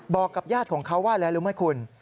บอกกับญาติของเขาว่าอะไรรู้ไหมคุณ